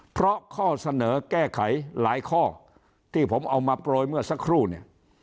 เพราะข้อเสนอแก้ไขหลายข้อที่ผมเอามาโปรยเมื่อสักครู่เนี่ย